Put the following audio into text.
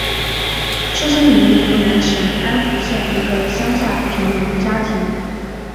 出生于湖南省安福县一个乡下贫农家庭。